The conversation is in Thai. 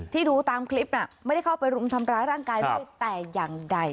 ที่ดูตามคลิปไม่ได้เข้าไปทำร้ายร่างกายไม่ได้แต่อย่างใด